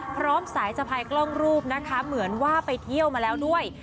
พร้อมสายสะพายกล้องรูปนะคะเหมือนว่าไปเที่ยวมาแล้วด้วย